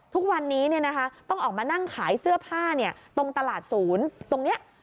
ทุกวันนี้ต้องออกมานั่งขายเสื้อผ้าตรงตลาดศูนย์ตรงนี้